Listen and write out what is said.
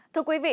thưa quý vị